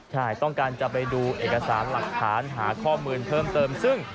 ช่างกันจะไปดูเอกสารหลักฐานหาข้อมูลเติมซึ่ง